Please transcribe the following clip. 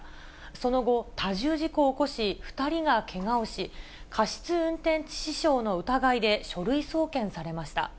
その後、多重事故を起こし、２人がけがをし、過失運転致死傷の疑いで書類送検されました。